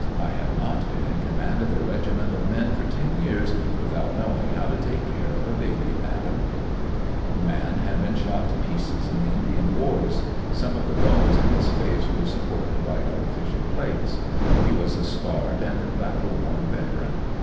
I have not been in command of a regiment of men for ten years without knowing how to take care of a baby, madam." A grim con The man had been shot to pieces in the ^^ Indian wars. Some of the bones in his face were supported by artificial plates. He was a scarred and battle worn veteran.